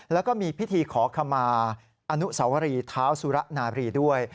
แล้วก็มีพิธีขอขมาอนุสวรีเท้าสุระนาบรีด้วย